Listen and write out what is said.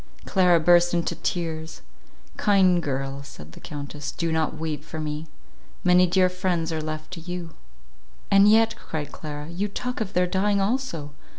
Clara burst into tears; "Kind girl," said the Countess, "do not weep for me. Many dear friends are left to you." "And yet," cried Clara, "you talk of their dying also.